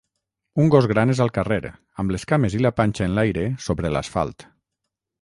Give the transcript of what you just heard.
Un gos gran és al carrer, amb les cames i la panxa enlaire sobre l'asfalt.